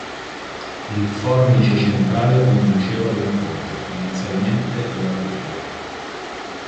Il fornice centrale conduceva ad un ponte, inizialmente levatoio.